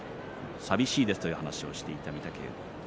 寂しいです。という話をしていました。